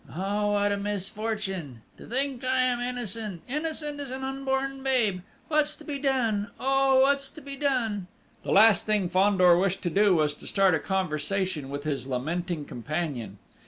"Oh, what a misfortune!... To think I am innocent! Innocent as an unborn babe!... What's to be done!... Oh, what's to be done!" The last thing Fandor wished to do was to start a conversation with his lamenting companion.